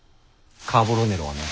カーボロネロはね